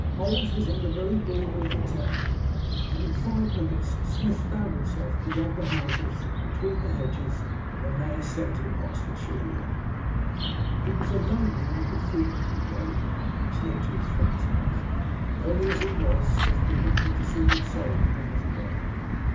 Old's was on the very border of the town, and in five minutes Smith found himself beyond the houses and between the hedges of a May scented Oxfordshire lane. It was a lonely and little frequented road which led to his friend's house. Early as it was, Smith did not meet a single soul upon his way.